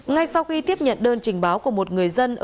ngay sau khi tiếp nhận đơn trình báo của một người dân